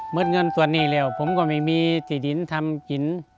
เงินส่วนนี้แล้วผมก็ไม่มีที่ดินทำกิน